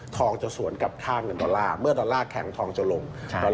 จะสวนกับค่าเงินดอลลาร์เมื่อดอลลาร์แข็งทองจะลง